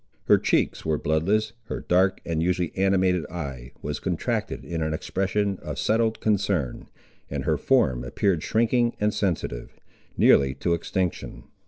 Her cheeks were bloodless, her dark and usually animated eye was contracted in an expression of settled concern, and her form appeared shrinking and sensitive, nearly to extinction.